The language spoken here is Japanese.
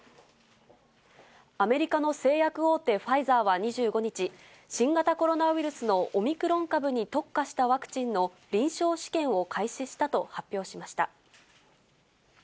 アメリカの製薬大手、ファイザーは２５日、新型コロナウイルスのオミクロン株に特化したワクチンの臨床試験を開始したと発表しました。